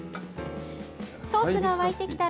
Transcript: ソースが沸いてきたら。